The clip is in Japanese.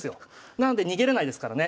なので逃げれないですからね。